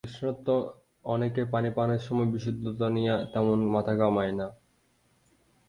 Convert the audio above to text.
তৃষ্ণার্ত অনেকে পানি পানের সময় বিশুদ্ধতা নিয়ে তেমন মাথা ঘামায় না।